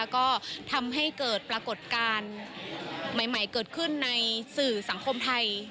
ก็ทำให้เกิดปรากฏการณ์ใหม่เกิดขึ้นในสื่อสังคมไทย